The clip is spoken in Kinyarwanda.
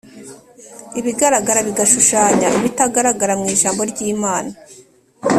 ibigaragara bigashushanya ibitagaragara mu’ijambo ry’imana